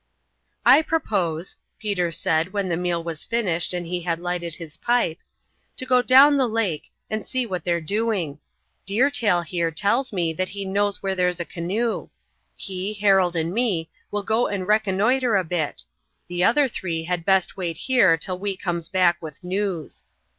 "I propose," Peter said when the meal was finished and he had lighted his pipe, "to go down the lake and see what they're doing. Deer Tail here tells me that he knows where there's a canoe. He, Harold, and me will go and reconnoiter a bit; the other three had best wait here till we comes back with news.